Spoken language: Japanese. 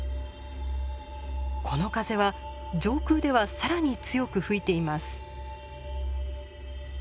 この風は上空では更に強く吹いています。